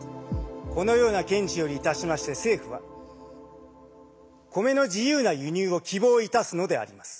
このような見地よりいたしまして政府は米の自由な輸入を希望いたすのであります。